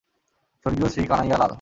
স্বর্গীয় শ্রী কানাইয়া লাল।